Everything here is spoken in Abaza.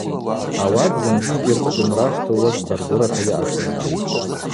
Ауат зынгьи йгьырхъдымраштылуазтӏ баргвырата йаъаквазгьи.